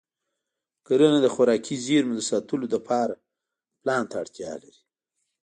کرنه د خوراکي زېرمو د ساتلو لپاره پلان ته اړتیا لري.